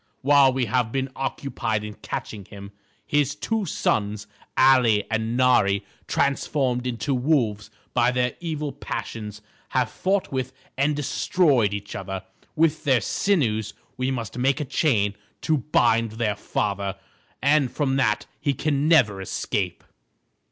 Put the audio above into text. While we have been occupied in catching him, his two sons, Ali and Nari, transformed into wolves by their evil passions, have fought with and destroyed each other. With their sinews we must make a chain to bind their father, and from that he can never escape."